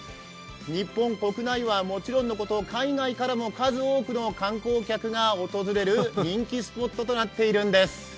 日本国内はもちろんのこと、海外からも数多くの観光客が訪れる人気スポットとなっているんです。